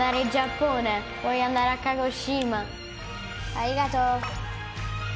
ありがとう。